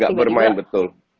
gak bermain betul